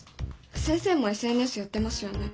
先生もＳＮＳやってますよね？